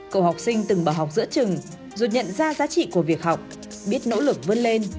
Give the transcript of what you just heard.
cậu học sinh từng bảo học giữa trừng rút nhận ra giá trị của việc học biết nỗ lực vươn lên